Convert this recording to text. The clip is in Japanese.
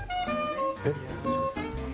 えっ？